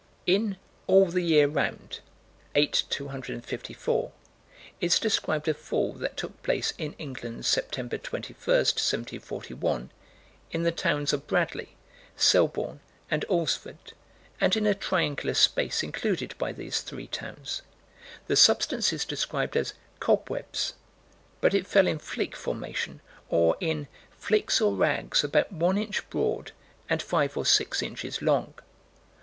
In All the Year Round, 8 254, is described a fall that took place in England, Sept. 21, 1741, in the towns of Bradly, Selborne, and Alresford, and in a triangular space included by these three towns. The substance is described as "cobwebs" but it fell in flake formation, or in "flakes or rags about one inch broad and five or six inches long."